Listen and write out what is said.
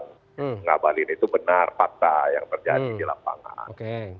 ngabalin itu benar fakta yang terjadi di lapangan